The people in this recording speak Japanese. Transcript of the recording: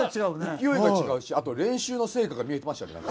勢いが違うしあと練習の成果が見えてましたよねなんか。